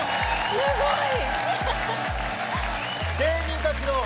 すごい！